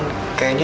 adik siapa ya